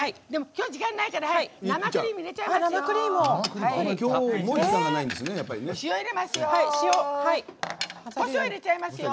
今日は時間ないから生クリーム入れちゃいますよ！